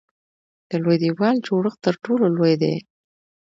د لوی دیوال جوړښت تر ټولو لوی دی.